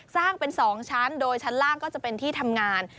สร้างเป็น๒ชั้นโดยชั้นล่างก็จะเป็นที่ทำงาน